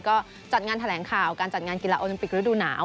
ก็จัดงานแถลงข่าวการจัดงานกีฬาโอลิมปิกฤดูหนาว